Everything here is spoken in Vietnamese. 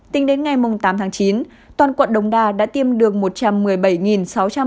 tính đến ngày tám chín toàn quận đồng đa đã tiêm được một trăm một mươi bảy sáu trăm bảy mươi sáu mẫu